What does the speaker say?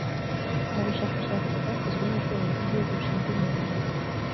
mu bushakashatsi bwakozwe n urwego rw igihugu rushinzwe imiyoborere